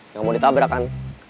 gak mau ditabrak kan